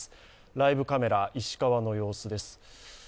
ライブカメラ、石川の様子です。